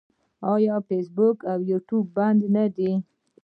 آیا فیسبوک او یوټیوب بند نه دي؟